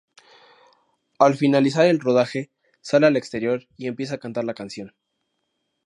Al finalizar el rodaje, sale al exterior y empieza a cantar la canción.